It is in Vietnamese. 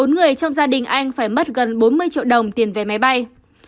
bốn người trong gia đình anh phải mất gần bốn mươi triệu đồng tiền vé máy bay